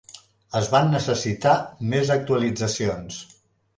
Es van necessitar més actualitzacions.